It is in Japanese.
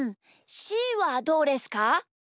しーはどうですか？